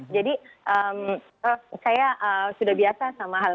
jadi saya sudah biasa sama hal